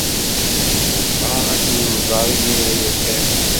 Nebɣa ad kem-nẓer imir-a ya kan.